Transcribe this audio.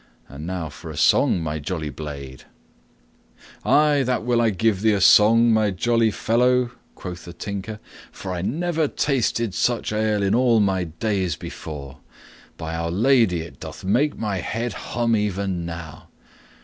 And now for a song, my jolly blade." "Ay, that will I give thee a song, my lovely fellow," quoth the Tinker, "for I never tasted such ale in all my days before. By Our Lady, it doth make my head hum even now!